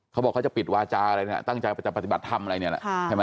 เขาบอกเขาจะปิดวาจาอะไรอย่างนี้ตั้งใจจะปฏิบัติธรรมอะไรอย่างนี้แหละ